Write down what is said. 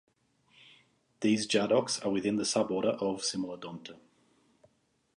These djadochs are within the suborder of Cimolodonta.